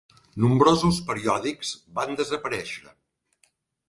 Nombrosos periòdics van desaparèixer.